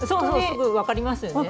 すぐ分かりますよね。